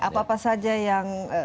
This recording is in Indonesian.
apa apa saja yang